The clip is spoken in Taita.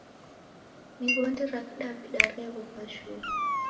Mighodi ra dawida reghoka shuu.